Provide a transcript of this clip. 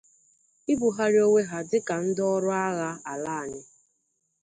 ibugharị onwe ha dịka ndị ọrụ agha ala anyị